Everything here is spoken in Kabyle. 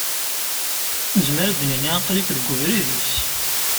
Nezmer ad d-nini, aql-ik deg ubrid-is.